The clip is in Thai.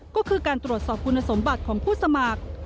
ก็คือการตรวจสอบคุณสมบัติของผู้สมัคร